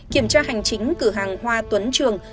kiểm tra hành chính cử hàng hoa tuấn trường